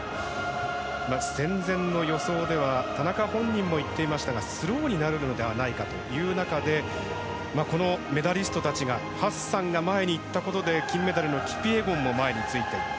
戦前の予想では田中本人も言っていましたがスローになるのではないかという中でこのメダリストたちがハッサンが前に行ったことで金メダルのキピエゴンもついていると。